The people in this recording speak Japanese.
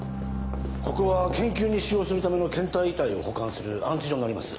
ここは研究に使用するための献体遺体を保管する安置所になります。